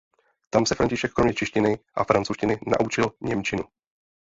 Tam se František kromě češtiny a francouzštiny naučil němčinu.